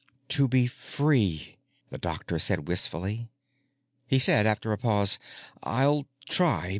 "To be free," the doctor said wistfully. He said after a pause, "I'll try.